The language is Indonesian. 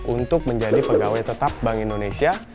untuk menjadi pegawai tetap bank indonesia